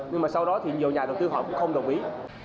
nhưng mà sau đó thì nhiều nhà đầu tư họ cũng không đồng ý